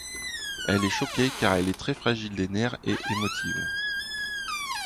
Elle est choquée, car elle est très fragile des nerfs et émotive.